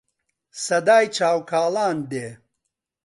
سەدای چاو کاڵان دێ